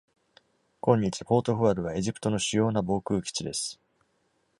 今日、ポートフアドはエジプトの主要な防空基地です。